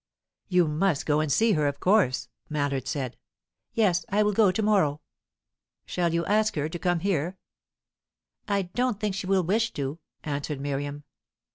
"You must go and see her, of course," Mallard said. "Yes; I will go to morrow." "Shall you ask her to come here?" "I don't think she will wish to," answered Miriam.